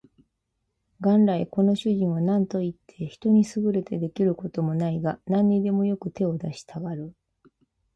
元来この主人は何といって人に優れて出来る事もないが、何にでもよく手を出したがる